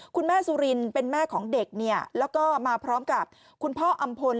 คุณแม่สุรินเป็นแม่ของเด็กเนี่ยแล้วก็มาพร้อมกับคุณพ่ออำพล